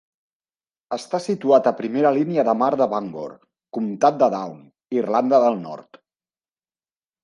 Està situat a primera línia de mar de Bangor, Comtat de Down, Irlanda del Nord.